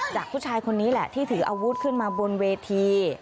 จากผู้ชายคนนี้แหละที่ถืออาวุธขึ้นมาบนเวที